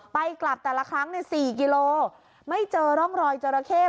ไปกลับแต่ละครั้ง๔กิโลไม่เจอร่องรอยจราเข้